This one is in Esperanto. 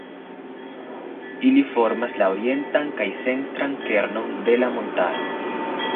Ili formas la orientan kaj centran kernon de la montaro.